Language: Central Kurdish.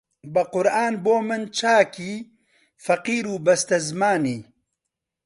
بە قورئان بۆ من چاکی فەقیر و بەستەزمانی